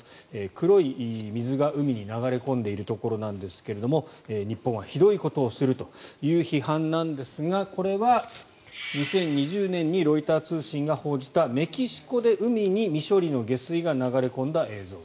黒い水が海に流れ込んでいるところなんですが日本はひどいことをするという批判なんですがこれは２０２０年にロイター通信が報じたメキシコで海に未処理の下水が流れ込んだ映像。